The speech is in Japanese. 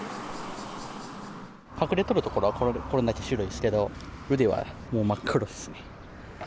隠れとる所はこれだけ白いですけど腕はもう真っ黒ですね。